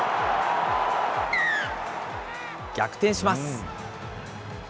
逆転します。